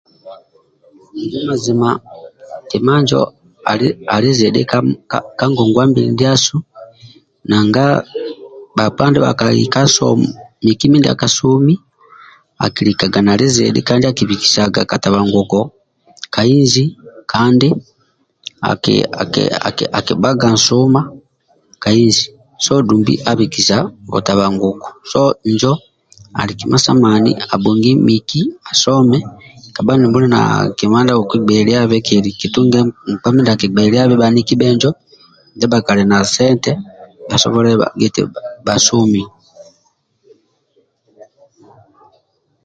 Mazima kima njo ali zidhi ka ngongwa mbili ndiasu nanga bhakpa ndibha kai ka soma miki mindia ka somi akibikisaga katabanguko ka inji kandi akibhaga nsuma ka inji so dumbi abikisa butabanguko so injo ali kima sa mani abhongi miki asome kabha nibhuli na kima ndia akikigbeliabe kitunge nkpa akigbeliebe bhaninki bhenjo ndia bhakali na sente zike eti bhasomia